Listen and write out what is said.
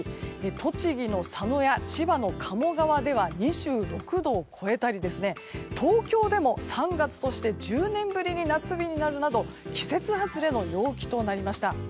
栃木の佐野や千葉の鴨川では２６度を超えたり東京でも３月として１０年ぶりに夏日になるなど季節外れの陽気となりました。